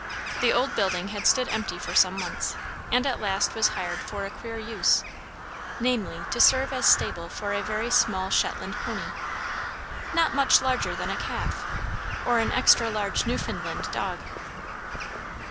The old building had stood empty for some months, and at last was hired for a queer use, namely, to serve as stable for a very small Shetland pony, not much larger than a calf, or an extra large Newfoundland dog.